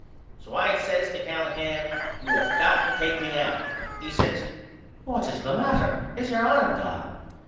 So I says to Callahan You have got to take me out. He says What is the matter? Is your arm gone?